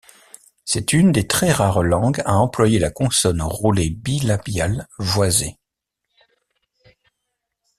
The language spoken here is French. C’est une des très rares langues à employer la consonne roulée bilabiale voisée.